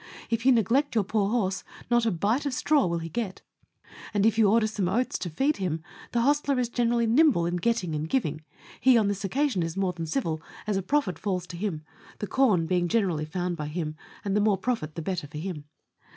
If you neglect your poor horse, not a bite of straw will he get ; and if you order some oats to feed him, the hostler is generally nimble in getting and giving ; he on this occasion is more than civil, as a profit falls to him, the corn being generally found by him, and the more profit the better for him.